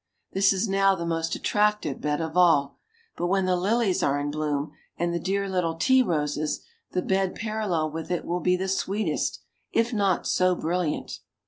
This is now the most attractive bed of all, but when the Lilies are in bloom, and the dear little Tea Roses, the bed parallel with it will be the sweetest, if not so brilliant.